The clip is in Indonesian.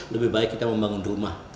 lebih baik kita membangun rumah